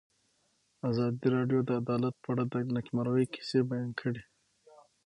ازادي راډیو د عدالت په اړه د نېکمرغۍ کیسې بیان کړې.